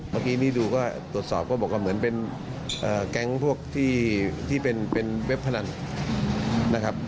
เมื่อกี้นี่ดูก็ตรวจสอบก็บอกว่าเหมือนเป็นแก๊งพวกที่เป็นเว็บพนันนะครับ